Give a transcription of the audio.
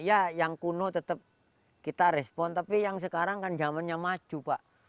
ya yang kuno tetap kita respon tapi yang sekarang kan zamannya maju pak